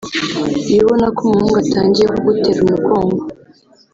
Iyo ubona ko umuhungu atangiye kugutera umugongo